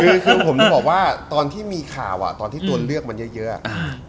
คือคือผมจะบอกว่าตอนที่มีข่าวอ่ะตอนที่ตัวเลือกมันเยอะเยอะอ่า